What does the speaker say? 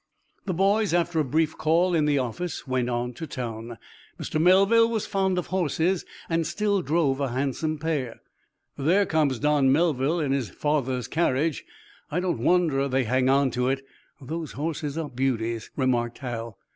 The boys, after a brief call in the office, went on to town. Mr. Melville was fond of horses, and still drove a handsome pair. "There comes Don Melville in his father's carriage. I don't wonder they hang on to it. Those horses are beauties," remarked Hal.